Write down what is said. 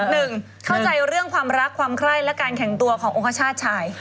หนึ่งเข้าใจเรื่องความรักความไคร้และการแข่งตัวขององคชาติชาย